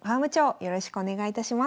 よろしくお願いします。